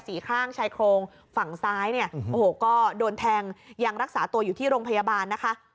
ข้างชายโครงฝั่งซ้ายเนี่ยโอ้โหก็โดนแทงยังรักษาตัวอยู่ที่โรงพยาบาลนะคะ